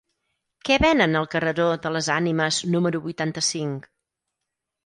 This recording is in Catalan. Què venen al carreró de les Ànimes número vuitanta-cinc?